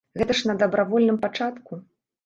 Гэта ж на дабравольным пачатку.